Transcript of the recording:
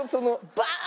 バーン！